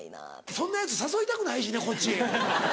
そんなヤツ誘いたくないしねこっち。